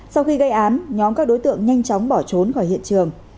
sau khi gây án nhóm các đối tượng nhanh chóng bỏ trốn khỏi hiện trường